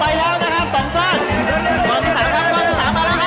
โหลงไปแล้วนะครับ๒ส่วน